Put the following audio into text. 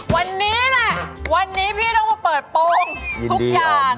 วันนี้แหละวันนี้พี่ต้องมาเปิดโปรมทุกอย่าง